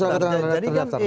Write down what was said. sudah keterangan terdaftar